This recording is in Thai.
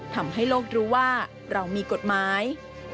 ทำให้โลกรู้ว่าเรามีกฎหมาย